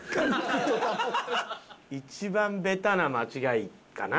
一番ベタな間違いかな？